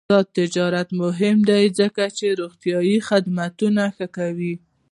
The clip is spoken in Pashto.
آزاد تجارت مهم دی ځکه چې روغتیا خدمات ښه کوي.